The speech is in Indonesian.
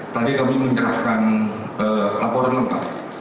tadi kami menyerahkan laporan lengkap